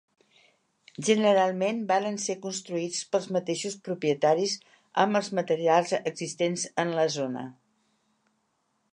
Generalment varen ser construïts pels mateixos propietaris amb els materials existents en la zona.